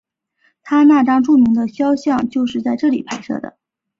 他那张著名的肖像就是在这里拍摄的。